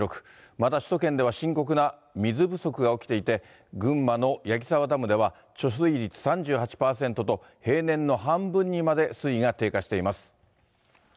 また首都圏では、深刻な水不足が起きていて、群馬の矢木沢ダムでは貯水率３８％と、平年の半分にまで水位が低下しています。